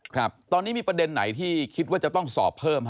ครับตอนนี้มีประเด็นไหนที่คิดว่าจะต้องสอบเพิ่มฮะ